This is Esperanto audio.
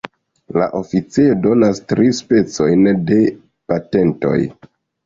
La oficejo donas tri specojn de patentoj.